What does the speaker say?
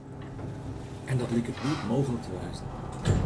En dat liket goed mooglik te wêzen.